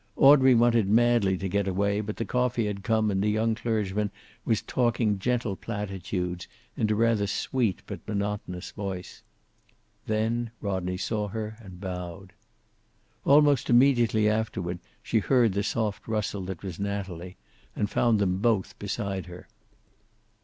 Audrey wanted madly to get away, but the coffee had come and the young clergyman was talking gentle platitudes in a rather sweet but monotonous voice. Then Rodney saw her, and bowed. Almost immediately afterward she heard the soft rustle that was Natalie, and found them both beside her.